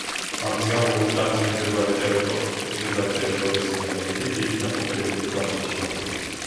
ამის გამო, ვულკანის მიმდებარე ტერიტორიის ნიადაგები დიდი ნაყოფიერებით გამოირჩევა.